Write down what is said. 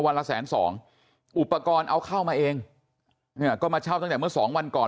ละแสนสองอุปกรณ์เอาเข้ามาเองเนี่ยก็มาเช่าตั้งแต่เมื่อสองวันก่อน